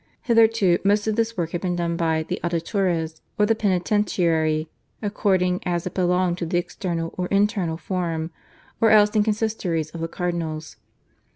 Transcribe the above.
Hitherto most of this work had been done by the /auditores/ or the /penitentiarii/ according as it belonged to the external or internal forum, or else in consistories of the cardinals.